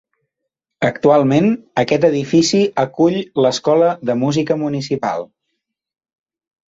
Actualment, aquest edifici acull l'Escola de Música Municipal.